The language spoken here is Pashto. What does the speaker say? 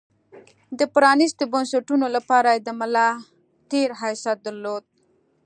د پرانېستو بنسټونو لپاره یې د ملا تیر حیثیت درلود.